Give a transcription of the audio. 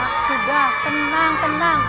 anak anak juga tenang tenang